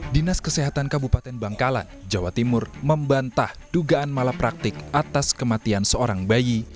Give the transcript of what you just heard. dinas kesehatan kabupaten bangkalan jawa timur membantah dugaan malapraktik atas kematian seorang bayi